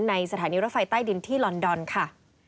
สถานีรถไฟใต้ดินที่ลอนดอนค่ะ